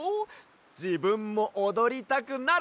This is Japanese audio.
じぶんもおどりたくなる！